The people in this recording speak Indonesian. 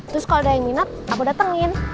terus kalau ada yang minat aku datengin